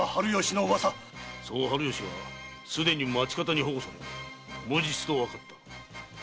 その春芳はすでに町方に保護され無実とわかった。